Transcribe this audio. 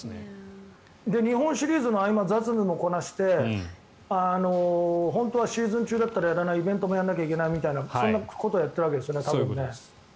日本シリーズの合間雑務もこなして本当はシーズン中だったらやらないイベントもやらないといけないというそんなこともやってるわけですよね。